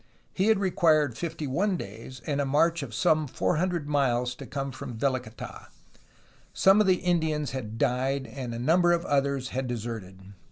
He had required fifty one days and a march of some four hundred miles to come from Velicata. Some of the Indians had died, and a num ber of others had deserted.